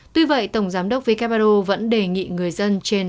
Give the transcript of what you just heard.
tuy vậy tổng giám đốc who vẫn đề nghị người dân trên